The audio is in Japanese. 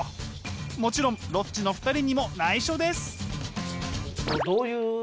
もちろんロッチの２人にもないしょです。